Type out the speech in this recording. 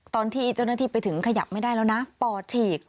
ตอนที่เจ้าหน้าที่ไปถึงขยับไม่ได้แล้วนะปอดฉีก